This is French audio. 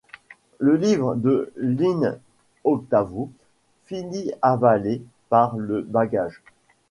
Le livre de l'In-octavo finit avalé par le Bagage.